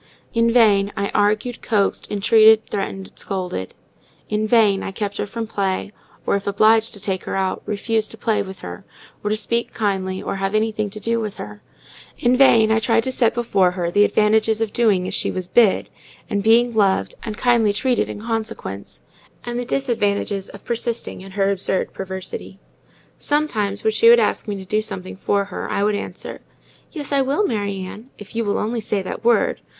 In vain I argued, coaxed, entreated, threatened, scolded; in vain I kept her in from play, or, if obliged to take her out, refused to play with her, or to speak kindly or have anything to do with her; in vain I tried to set before her the advantages of doing as she was bid, and being loved, and kindly treated in consequence, and the disadvantages of persisting in her absurd perversity. Sometimes, when she would ask me to do something for her, I would answer,—"Yes, I will, Mary Ann, if you will only say that word.